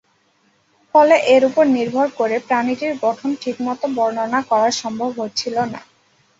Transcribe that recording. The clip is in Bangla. ফলে এর উপর নির্ভর করে প্রাণীটির গঠন ঠিকমতো বর্ণনা করা সম্ভব হচ্ছিল না।